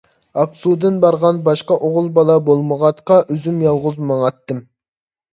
ئاقسۇدىن بارغان باشقا ئوغۇل بالا بولمىغاچقا، ئۆزۈم يالغۇز ماڭاتتىم.